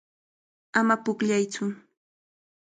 Ama pukllaytsu.